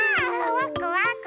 ワクワク。